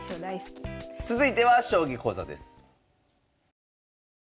続いては将棋講座です。